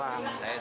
berapa ini harga